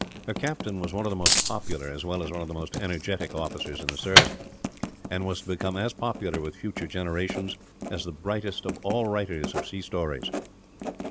Her captain was one of the most popular, as well as one of the most energetic officers in the service; and was to become as popular, with future generations, as the brightest of all writers of sea stories.